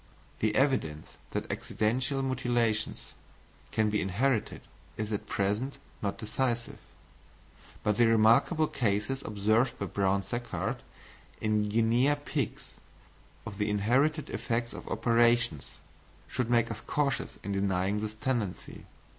The evidence that accidental mutilations can be inherited is at present not decisive; but the remarkable cases observed by Brown Sequard in guinea pigs, of the inherited effects of operations, should make us cautious in denying this tendency.